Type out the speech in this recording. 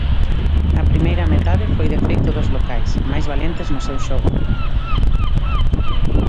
A primeira metade foi de feito dos locais, máis valentes no seu xogo.